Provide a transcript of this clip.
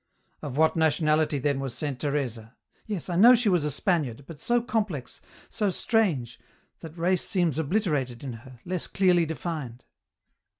" Of what nationality then was Saint Teresa ?"" Yes, I know she was a Spaniard, but so complex, so strange, that race seems obliterated in her, less clearly defined.